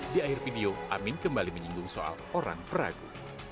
di akhir video amin kembali menyinggung soal orang peragu